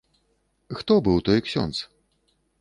Хто быў той ксёндз?